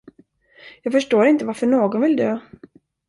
Jag förstår inte varför någon vill dö.